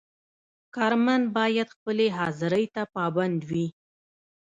کارمند باید خپلې حاضرۍ ته پابند وي.